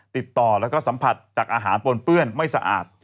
ติดต่อแล้วก็สัมผัสจากอาหารปนเปื้อนไม่สะอาด